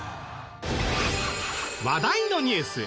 話題のニュース